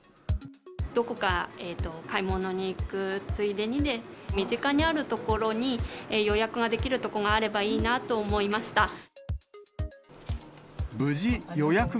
どこか買い物に行くついでに、身近にある所に、予約ができるところがあればいいなと思いました。